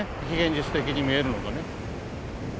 非現実的に見えるのがね。